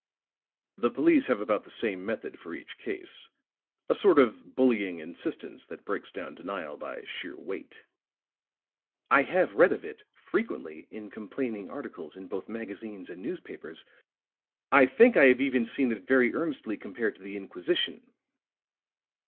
"The police have about the same method for each case a sort of bullying insistence that breaks down denial by sheer weight." "I have read of it, frequently, in complaining articles in both magazines and newspapers. I think I have even seen it very earnestly compared to the Inquisition."